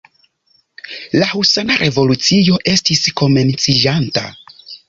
La husana revolucio estis komenciĝanta...